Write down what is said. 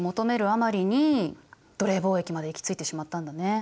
あまりに奴隷貿易まで行き着いてしまったんだね。